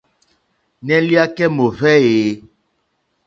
Nɛh Iyakɛ mɔhvɛ eeh?